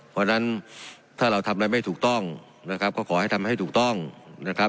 เพราะฉะนั้นถ้าเราทำอะไรไม่ถูกต้องนะครับก็ขอให้ทำให้ถูกต้องนะครับ